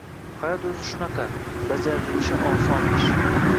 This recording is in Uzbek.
Hayot o’zi shunaqa – bajarilishi oson ish.